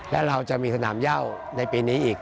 และเราจะมีสนามย่าในปีนี้อีก